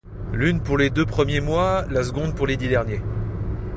L’une pour les deux premiers mois, la seconde pour les dix derniers.